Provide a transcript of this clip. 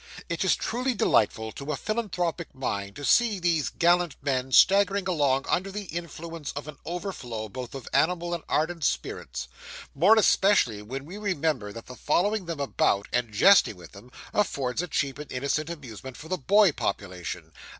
It is truly delightful to a philanthropic mind to see these gallant men staggering along under the influence of an overflow both of animal and ardent spirits; more especially when we remember that the following them about, and jesting with them, affords a cheap and innocent amusement for the boy population.